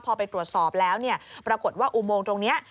พอไปตรวจสอบแล้วปรากฏว่าอุโมงตรงนี้